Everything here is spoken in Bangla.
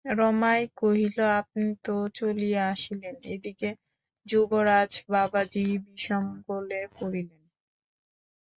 রমাই কহিল, আপনি তো চলিয়া আসিলেন, এদিকে যুবরাজ বাবাজি বিষম গোলে পড়িলেন।